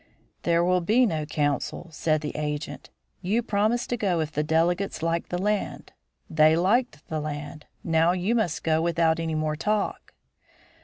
"There will be no council," said the agent. "You promised to go if the delegates liked the land. They like the land. Now you must go without any more talk."